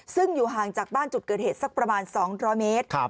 ซึ่งอยู่ห่างจากบ้านจุดเกิดเหตุสักประมาณ๒๐๐เมตร